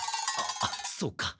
あっそうか。